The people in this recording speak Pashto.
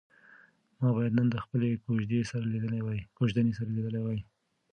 ما باید نن د خپلې کوژدنې سره لیدلي وای.